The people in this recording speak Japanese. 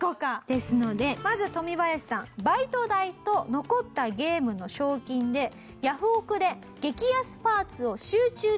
ですのでまずトミバヤシさんバイト代と残ったゲームの賞金でヤフオク！で激安パーツを集中的に購入します。